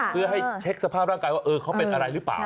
เพื่อให้เช็คสภาพร่างกายว่าเขาเป็นอะไรหรือเปล่า